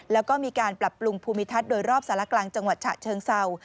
แล้วก็มีการปรับปรุงภูมิทัศน์โดยรอบสารกลางจังหวัดฉะเชิงเศร้า